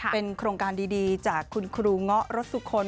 เป็นโครงการดีจากคุณครูเงาะรสสุคล